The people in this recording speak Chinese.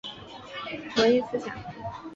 该流派主张新理想主义为文艺思想的主流。